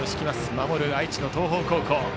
守る、愛知の東邦高校。